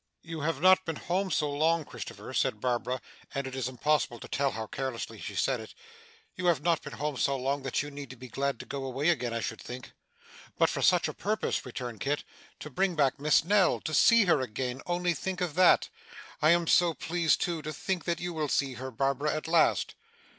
'You have not been home so long, Christopher,' said Barbara and it is impossible to tell how carelessly she said it 'You have not been home so long, that you need to be glad to go away again, I should think.' 'But for such a purpose,' returned Kit. 'To bring back Miss Nell! To see her again! Only think of that! I am so pleased too, to think that you will see her, Barbara, at last.